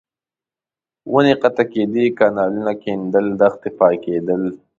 ونې قطع کېدې، کانالونه کېندل، دښتې پاکېدل.